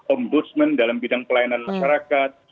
ombudsman dalam bidang pelayanan masyarakat